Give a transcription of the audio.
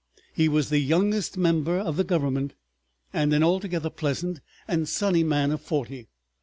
He was the youngest member of the Government, and an altogether pleasant and sunny man of forty.